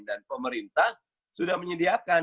dan pemerintah sudah menyediakan